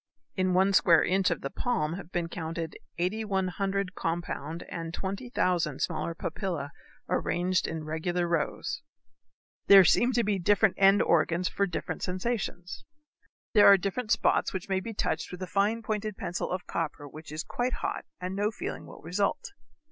In one square inch of the palm have been counted 8,100 compound and 20,000 smaller papillæ arranged in regular rows. There seem to be different end organs for different sensations. There are different spots which may be touched with a fine pointed pencil of copper which is quite hot and no feeling will result.